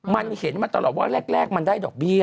มันเห็นมาตลอดว่าแรกมันได้ดอกเบี้ย